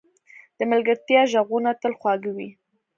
د ملګرتیا ږغونه تل خواږه وي.